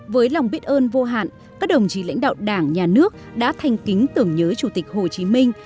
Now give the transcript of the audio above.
với lòng biết ơn vô hạn các đồng chí lãnh đạo đảng nhà nước đã thành kính tưởng nhớ chủ tịch hồ chí minh